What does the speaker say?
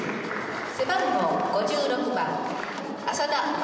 背番号５６番浅田舞